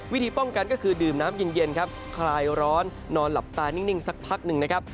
วิธีป้องกันก็คือดื่มน้ำเย็นครับคลายร้อนนอนหลับตานิ่งสักพักหนึ่งนะครับ